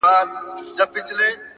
ژړا! سلگۍ زما د ژوند د تسلسل نښه ده!